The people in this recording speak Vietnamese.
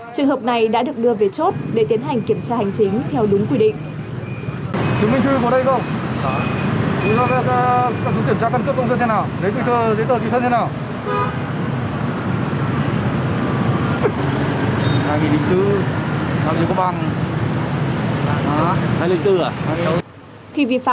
trường hợp này đã được đưa về chốt để tiến hành kiểm tra hành chính theo đúng quy định